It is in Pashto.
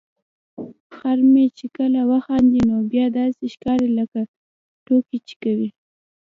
خر مې چې کله وخاندي نو بیا داسې ښکاري لکه ټوکې چې کوي.